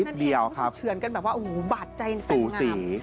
นิดเดียวท่านเหมือนกันแบบว่าโอ้โฮบาดใจแสนงามสุศี